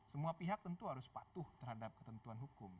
semua pihak tentu harus patuh terhadap ketentuan hukum